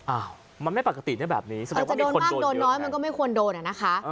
อ้าวมันไม่ปกติได้แบบนี้จะโดนมากโดนน้อยมันก็ไม่ควรโดนอ่ะนะคะ